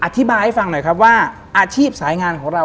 อธิบายให้ฟังหน่อยครับว่าอาชีพสายงานของเรา